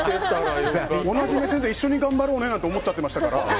同じ目線で一緒に頑張ろうねって思っちゃってましたから。